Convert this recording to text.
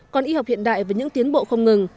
còn y học hiện đại với những tiến bộ không ngừng